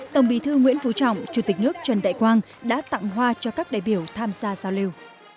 tổng bí thư nguyễn phú trọng chủ tịch nước trần đại quang đã tặng hoa cho các đại biểu tham gia giao lưu